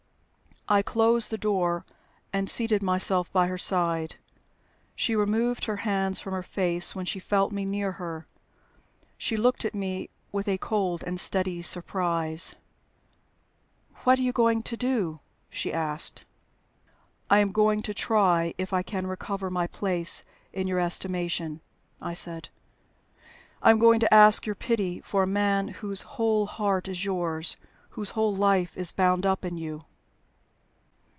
I closed the door and seated myself by her side. She removed her hands from her face when she felt me near her. She looked at me with a cold and steady surprise. "What are you going to do?" she asked. "I am going to try if I can recover my place in your estimation," I said. "I am going to ask your pity for a man whose whole heart is yours, whose whole life is bound up in you."